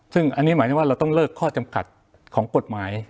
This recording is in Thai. ซึ่งอันนี้หมายถึงว่าเราต้องเลิกข้อจำกัดของกฎหมาย